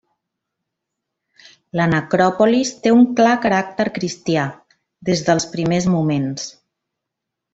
La necròpolis té un clar caràcter cristià, des dels primers moments.